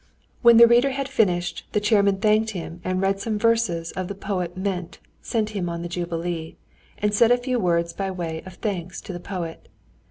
When the reader had finished, the chairman thanked him and read some verses of the poet Ment sent him on the jubilee, and said a few words by way of thanks to the poet.